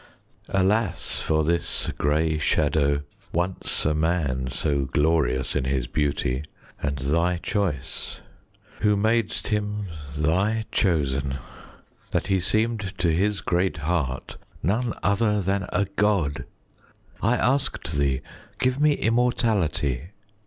Alas! for this gray shadow, once a man So glorious in his beauty and thy choice, Who madest him thy chosen, that he seem'd To his great heart none other than a God! I ask'd thee, 'Give me immortality.'